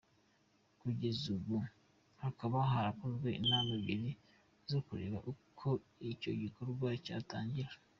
Kugeza ubu hakaba harakozwe inama ebyiri zo kureba uko icyo gikorwa cyatangira.